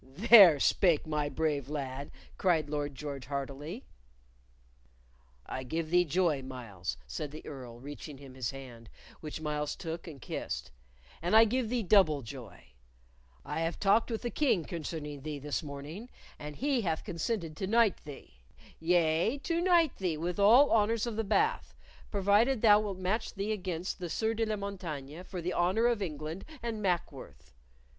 "There spake my brave lad!" cried Lord George heartily. "I give thee joy, Myles," said the Earl, reaching him his hand, which Myles took and kissed. "And I give thee double joy. I have talked with the King concerning thee this morning, and he hath consented to knight thee yea, to knight thee with all honors of the Bath provided thou wilt match thee against the Sieur de la Montaigne for the honor of England and Mackworth.